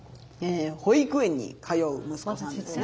保育園に通う息子さんですね。